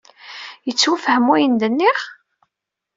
Yettwafham wayen d-nniɣ?